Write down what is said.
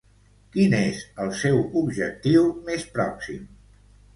Quin és el seu objectiu més pròxim?